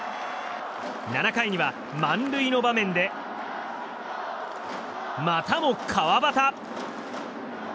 ７回には満塁の場面でまたも川端。